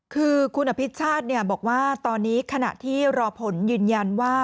คือคุณอภิชาติบอกว่าตอนนี้ขณะที่รอผลยืนยันว่า